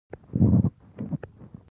دا زړه مي غواړي چي ستا سره واده وکم